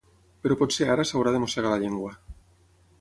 Però potser ara s'haurà de mossegar la llengua.